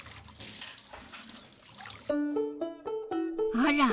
あら！